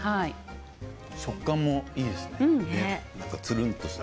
食感もいいですね。